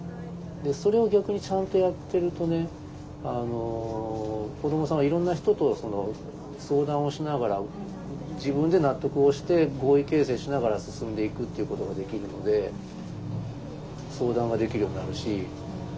それを逆にちゃんとやってるとね子どもさんはいろんな人と相談をしながら自分で納得をして合意形成しながら進んでいくっていうことができるので相談ができるようになるし。